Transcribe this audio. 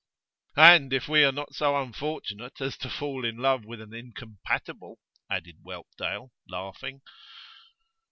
'And if we are not so unfortunate as to fall in love with an incompatible,' added Whelpdale, laughing.